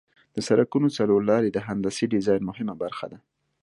د سرکونو څلور لارې د هندسي ډیزاین مهمه برخه ده